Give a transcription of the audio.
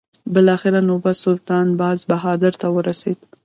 بالاخره نوبت سلطان باز بهادر ته ورسېد.